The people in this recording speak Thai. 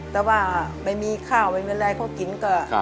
แต่ว่าไม่มีข้าวไม่มีอะไรเขากินก็